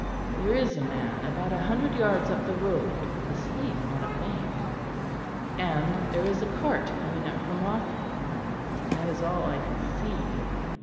"There is a man about a hundred yards up the road asleep on a bank; and there is a cart coming up from Wrotham: that is all I can see.